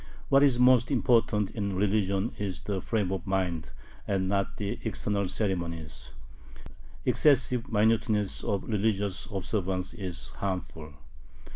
What is most important in religion is the frame of mind and not the external ceremonies: excessive minuteness of religious observance is harmful.